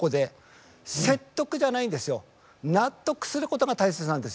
説得じゃないんですよ。納得することが大切なんですよ。